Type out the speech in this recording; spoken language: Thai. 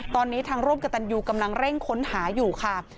ตอนนี้ทางร่วมกับตันยูกำลังเร่งค้นหาอยู่ค่ะ